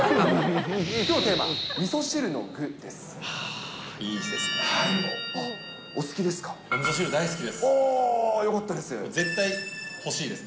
きょうのテーマ、みそ汁の具ああ、いいですね。